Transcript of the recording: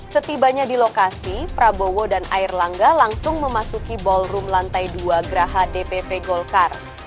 setibanya di lokasi prabowo dan air langga langsung memasuki ballroom lantai dua geraha dpp golkar